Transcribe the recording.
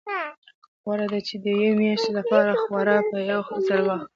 غوره ده چې د یوې میاشتې لپاره خواړه په یو ځل واخلو.